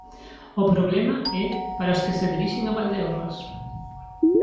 O problema é para os que se dirixen a Valdeorras.